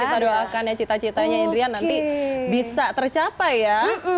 kita doakan ya cita citanya indrian nanti bisa tercapai ya